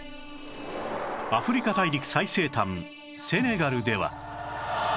アフリカ大陸最西端セネガルでは